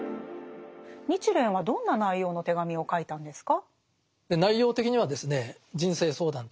日蓮はどんな内容の手紙を書いたんですか？